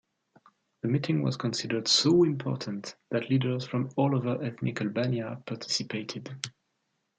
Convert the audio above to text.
The meeting was considered so important that leaders from all over ethnic Albania participated.